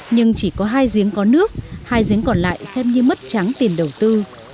nhưng chỉ có hai giếng có nước hai giếng còn lại xem như mất trắng tiền đầu tư